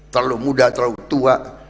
terlalu muda terlalu tua